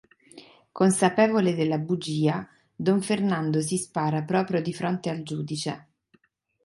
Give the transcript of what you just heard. Consapevole della bugia don Fernando si spara proprio di fronte al giudice.